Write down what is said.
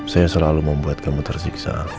saya selalu membuat kamu tersiksa